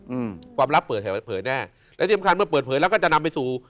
อืมความลับเปิดให้เผยแน่และที่สำคัญเมื่อเปิดเผยแล้วก็จะนำไปสู่